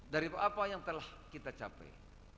dari apa yang telah kita capai